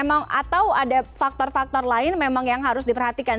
atau ada faktor faktor lain memang yang harus diperhatikan